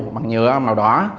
bằng nhựa màu đỏ